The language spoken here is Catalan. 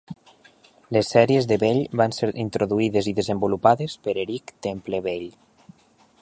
Les sèries de Bell van ser introduïdes i desenvolupades per Eric Temple Bell.